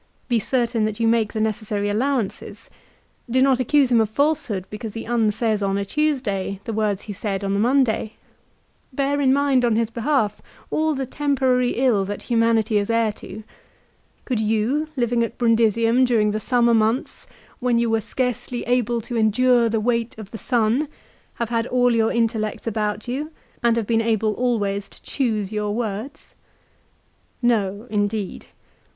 Be certain that you make the necessary allowances. Do not accuse him of falsehood because he unsays on a Tuesday the words he said on the Monday. Bear in mind on his behalf all the temporary ill that humanity is heir to. Could you, living at Brundisium during the summer months c when ycu were scarcely able to endure the weight of the sun' l have had all your intellects about you and have been able always to choose your words ?" No, indeed